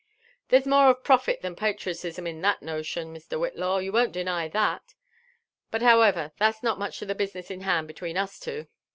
"There's more of profit than patriotism in that notion, Mr. Whit law, you won't deny that, sir. But, however, (hat*6 not much to th^ business in hand between us two.